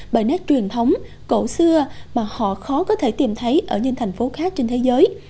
bởi nét truyền thống cổ xưa mà họ khó có thể tìm thấy ở những thành phố khác trên thế giới